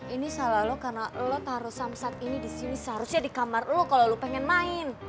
ini selalu lo karena lo taruh samsat ini di sini seharusnya di kamar lo kalau lo pengen main